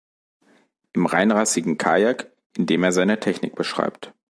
Im reinrassigen Kajak“, in dem er seine Technik beschreibt.